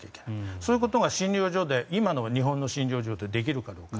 そういうことが今の日本の診療でできるかどうか。